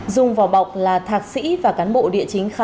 dùng vào bọc là thạc sĩ và cán bộ địa chính khác